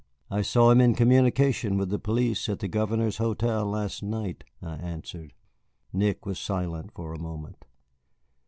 "I saw him in communication with the police at the Governor's hotel last night," I answered. Nick was silent for a moment.